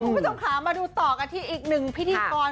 คุณผู้ชมค่ะมาดูต่อกันที่อีกหนึ่งพิธีกร